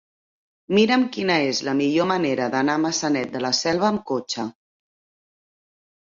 Mira'm quina és la millor manera d'anar a Maçanet de la Selva amb cotxe.